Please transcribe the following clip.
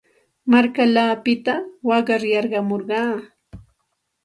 Markallaapita waqar yarqamurqaa.